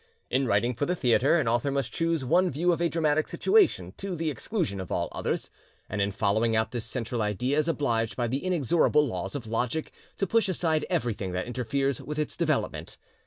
In writing for the theatre, an author must choose one view of a dramatic situation to the exclusion of all others, and in following out this central idea is obliged by the inexorable laws of logic to push aside everything that interferes with its development.